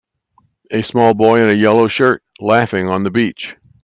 A small boy in a yellow shirt laughing on the beach.